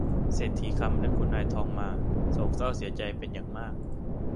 เศรษฐีคำและคุณนายทองมาโศกเศร้าเสียใจเป็นอย่างมาก